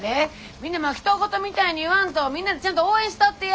みんなもひと事みたいに言わんとみんなでちゃんと応援したってや。